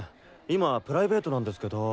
今プライベートなんですけど。